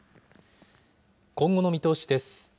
今後の見通しです。